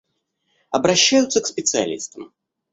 Обращаются к специалистам.